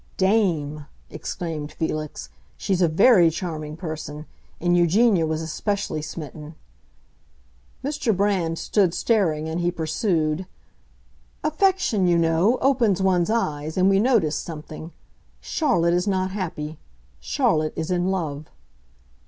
"Dame!" exclaimed Felix, "she's a very charming person; and Eugenia was especially smitten." Mr. Brand stood staring, and he pursued, "Affection, you know, opens one's eyes, and we noticed something. Charlotte is not happy! Charlotte is in love."